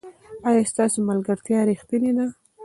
ایا ستاسو ملګرتیا ریښتینې ده؟